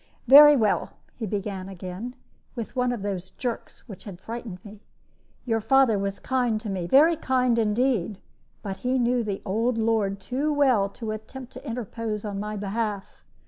"Very well," he began again, with one of those jerks which had frightened me, "your father was kind to me, very kind indeed; but he knew the old lord too well to attempt to interpose on my behalf.